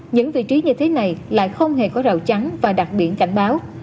những vị trí như thế này lại không hề có rào trắng và đặc biện cảnh báo